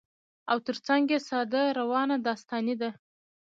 او تر څنګ يې ساده، روانه داستاني ده